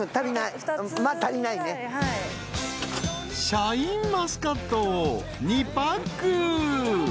［シャインマスカットを２パック］